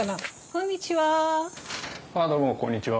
こんにちは。